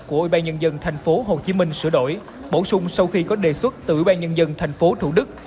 của ủy ban nhân dân tp hcm sửa đổi bổ sung sau khi có đề xuất từ ủy ban nhân dân tp thủ đức